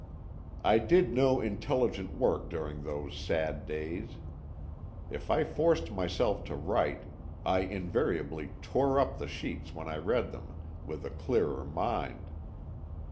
I did no intelligent work during those sad days. If I forced myself to write, I invariably tore up the sheets when I read them with a clearer mind.